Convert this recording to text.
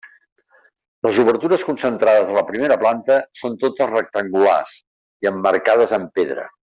Les obertures concentrades a la primera planta són totes rectangulars i emmarcades en pedra.